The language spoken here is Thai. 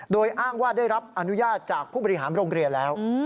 โดยอ้างว่าได้รับอนุญาตจากผู้บริหารโรงเรียนแล้ว